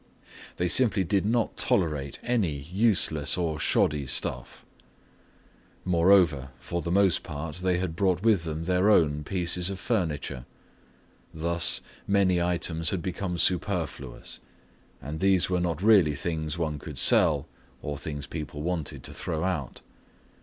They simply did not tolerate any useless or shoddy stuff. Moreover, for the most part they had brought with them their own pieces of furniture. Thus, many items had become superfluous, and these were not really things one could sell or things people wanted to throw out.